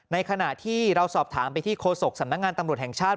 ขณะที่เราสอบถามไปที่โฆษกสำนักงานตำรวจแห่งชาติ